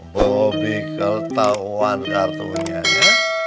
bobby ketahuan kartunya ya